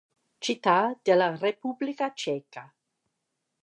Città della Repubblica Ceca